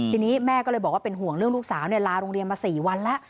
ทีนี้แม่ก็เลยบอกว่าเป็นห่วงเรื่องลูกสาวลาโรงเรียนมา๔วันแล้ว